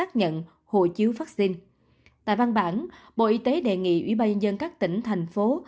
tại văn bản bộ y tế đề nghị ủy ban nhân các tỉnh thành phố